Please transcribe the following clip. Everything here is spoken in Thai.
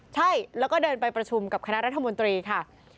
ใช่แล้วก็เดินไปประชุมกับคณะรัฐมนตรีค่ะ